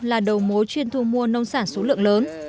là đầu mối chuyên thu mua nông sản số lượng lớn